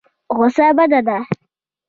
غوسه بده ده.